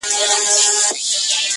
څوك به بولي له آمو تر اباسينه،